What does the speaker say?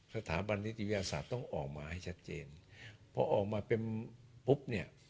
สถาบันนิติวิทยาศาสตร์ต้องออกมาให้ชัดเจนพอออกมาเป็นปุ๊บเนี่ย